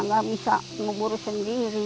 tidak bisa kubur sendiri